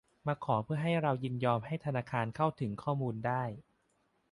มาขอเพื่อให้เรายินยอมให้ธนาคารเข้าถึงข้อมูลได้